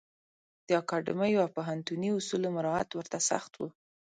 د اکاډمیو او پوهنتوني اصولو مرعات ورته سخت و.